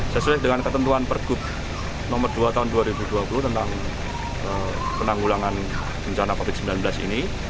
sesuai dengan ketentuan pergub nomor dua tahun dua ribu dua puluh tentang penanggulangan bencana covid sembilan belas ini